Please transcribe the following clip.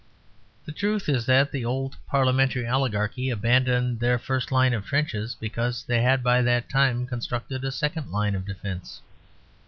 The truth is that the old parliamentary oligarchy abandoned their first line of trenches because they had by that time constructed a second line of defence.